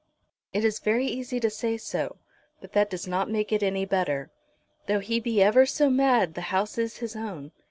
"It is very easy to say so, but that does not make it any better. Though he be ever so mad the house is his own.